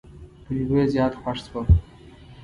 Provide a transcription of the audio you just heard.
په لیدو یې زیات خوښ شوم.